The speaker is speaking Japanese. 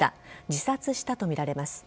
自殺したとみられます。